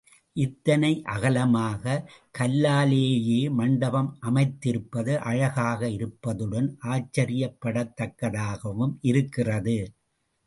இத்தனை அகலமாக கல்லாலேயே மண்டபம் அமைந்திருப்பது அழகாக இருப்பதுடன் ஆச்சர்யப் படத்தக்கதாகவும் இருக்கிறது.